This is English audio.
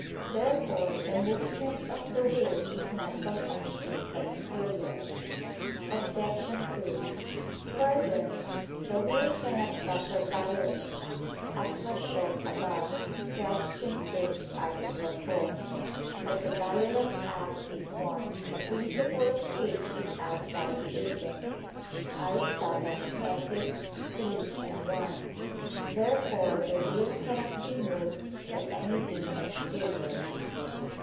Therefore the movement of the will is not from anything exterior. Obj. 2: Further, the will cannot suffer violence, as was shown above (Q. 6, A. 4). But the violent act is one "the principle of which is outside the agent" [*Aristotle, Ethic. iii, 1]. Therefore the will cannot be moved by anything exterior.